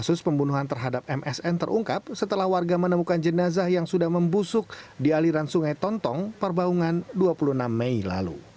kasus pembunuhan terhadap msn terungkap setelah warga menemukan jenazah yang sudah membusuk di aliran sungai tontong perbaungan dua puluh enam mei lalu